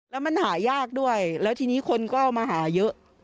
แล้วมันหายากด้วยแล้วทีนี้คนก็มาหาเยอะ